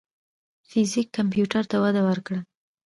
فزیک کمپیوټر ته وده ورکړه.